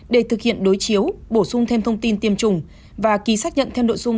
để thực hiện đối chiếu bổ sung thêm thông tin tiêm chủng và ký xác nhận thêm nội dung